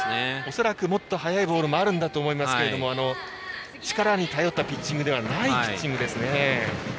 恐らくもっと速いボールもあると思いますが力に頼ったピッチングではないピッチングですね。